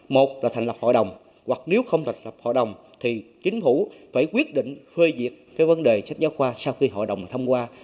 một là thành lập hội đồng hoặc nếu không thành lập hội đồng thì chính phủ phải quyết định phê diệt cái vấn đề sách giáo khoa sau khi hội đồng thông qua